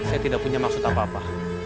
saya tidak punya maksud apa apa